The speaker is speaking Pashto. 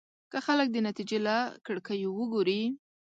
که خلک د نتيجې له کړکيو وګوري.